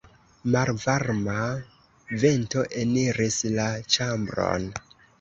Malvarma vento eniris la ĉambron.